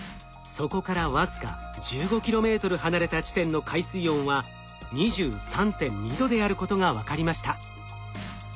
そこから僅か１５ｋｍ離れた地点の海水温は２３．２℃であることが分かりました。